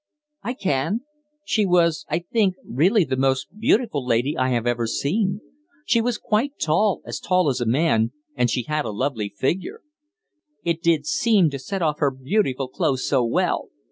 "I can. She was, I think, really the most beautiful lady I have ever seen. She was quite tall, as tall as a man, and she had a lovely figure. It did seem to set off her beautiful clothes so well.